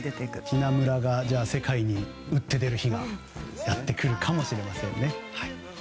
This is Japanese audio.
ティナ村が世界に打って出る日がやってくるかもしれませんね。